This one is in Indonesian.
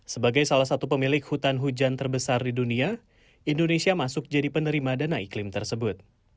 sebagai salah satu pemilik hutan hujan terbesar di dunia indonesia masuk jadi penerima dana iklim tersebut